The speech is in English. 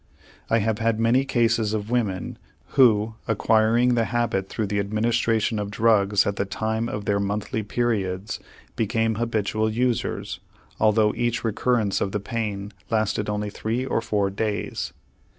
I have had many cases of women who, acquiring the habit through the administration of drugs at the time of their monthly periods, became habitual users, although each recurrence of the pain lasted only three or four days.